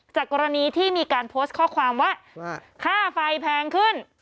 กรณีที่มีการโพสต์ข้อความว่าค่าไฟแพงขึ้น